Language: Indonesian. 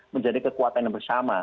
menjadi kekuatan yang bersama